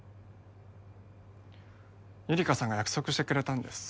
ゆりかさんが約束してくれたんです